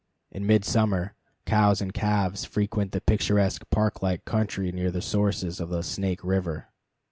In midsummer cows and calves frequent the picturesque park like country near the sources of the Snake River.